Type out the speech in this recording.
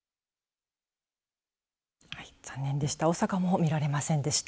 残念でした。